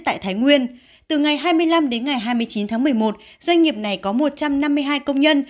tại thái nguyên từ ngày hai mươi năm đến ngày hai mươi chín tháng một mươi một doanh nghiệp này có một trăm năm mươi hai công nhân